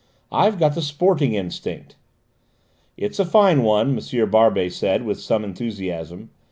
I've got the sporting instinct." "It's a fine one," M. Barbey said with some enthusiasm.